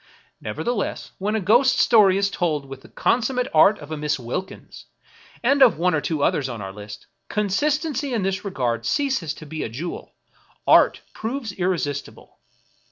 Never theless, when a ghost story is told with the consummate art of a Miss Wilkins, and of one or two others on our list, consistency in this regard ceases to be a jewel ; art proves irresistible.